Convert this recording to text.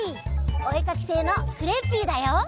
おえかきせいのクレッピーだよ！